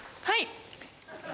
はい。